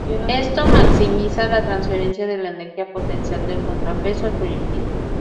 Esto maximiza la transferencia de la energía potencial del contrapeso al proyectil.